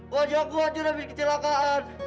wajahku hancur abis kecelakaan